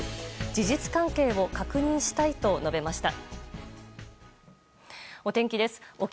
事実関係を確認したいと述べました。